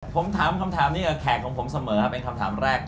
ผมถามคำถามนี้กับแขกของผมเสมอเป็นคำถามแรก